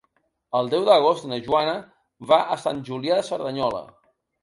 El deu d'agost na Joana va a Sant Julià de Cerdanyola.